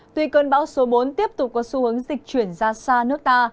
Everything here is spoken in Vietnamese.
tuy cơn bão số bốn tiếp tục có xu hướng dịch chuyển ra xa nước ta